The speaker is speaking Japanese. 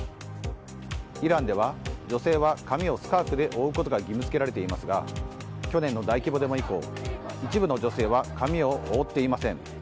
イランでは女性は髪をスカーフで覆うことが義務付けられていますが去年の大規模デモ以降一部の女性は髪を覆っていません。